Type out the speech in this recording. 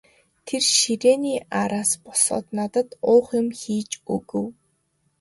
Тэр ширээний араас босоод надад уух юм хийж өгөв.